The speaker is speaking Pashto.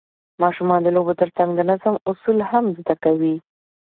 ماشومان د لوبو ترڅنګ د نظم اصول هم زده کوي